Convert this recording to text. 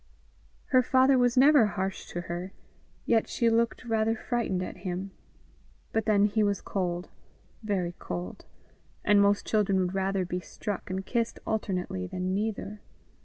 Her father was never harsh to her, yet she looked rather frightened at him; but then he was cold, very cold, and most children would rather be struck and kissed alternately than neither.